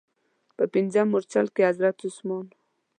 په پنځم مورچل کې حضرت عثمان و.